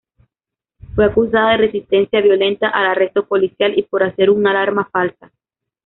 Fue acusada de resistencia violenta al arresto policial, y por hacer una alarma falsa.